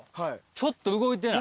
ちょっと動いてない？